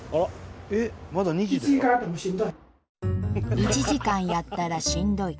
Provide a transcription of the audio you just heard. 「１時間やったらしんどい」。